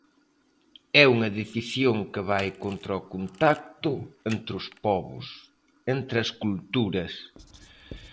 É unha decisión que vai contra o contacto entre os pobos, entre as culturas.